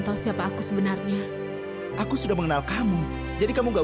lalu aku buru buru menyelesaikannya